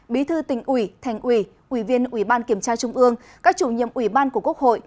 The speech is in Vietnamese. bí thư tỉnh ủy thành ủy ủy viên ủy ban kiểm tra trung ương các chủ nhiệm ủy ban của quốc hội